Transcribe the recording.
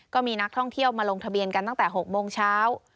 ก็มีนักท่องเที่ยวมาลงทะเบียนกันตั้งแต่๖โมงเช้า